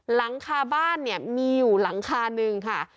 หลังคาบ้านเนี่ยมีอยู่หลังคาหนึ่งค่ะ